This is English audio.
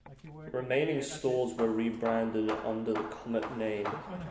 Remaining stores were rebranded under the Comet name.